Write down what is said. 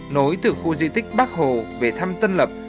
nối từ khu di tích bác hồ về thăm tân lập